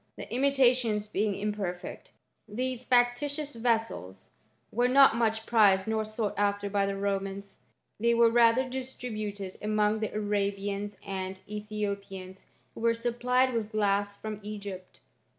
The imitations being imperfect, these factitious vessels were not much prized nor sought after by the Romans^ they were rather distributed among the Arabians and Ethiopians, who were supplied with glass from Egypt.